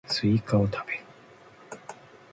スイカを食べる